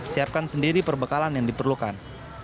siapkan sendiri perbekalan yang diperlukan